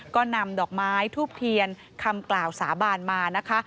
ก็นำดอกไม้ทูบเทียนคำกล่าวสาบานมานะคะ